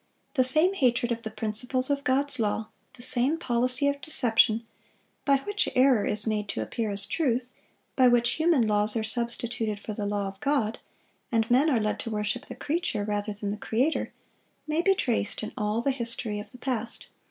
The same hatred of the principles of God's law, the same policy of deception, by which error is made to appear as truth, by which human laws are substituted for the law of God, and men are led to worship the creature rather than the Creator, may be traced in all the history of the past.